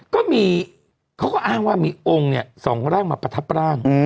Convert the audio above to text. เขาก็อ้างว่ามีองค์สองร่างมาประทับราญ